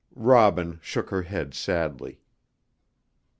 Robin shook her head sadly.